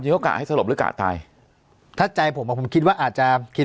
ก็กะให้สลบหรือกะตายถ้าใจผมอ่ะผมคิดว่าอาจจะคิด